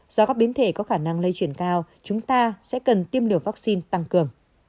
do các biến thể có khả năng lây chuyển cao chúng ta sẽ cần tiêm liều vaccine tăng cường